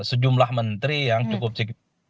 sejumlah menteri yang cukup signifikan